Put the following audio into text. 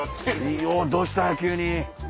どうした急に。